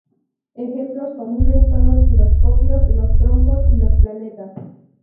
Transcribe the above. Ejemplos comunes son los giroscopios, los trompos y los planetas.